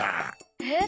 えっ？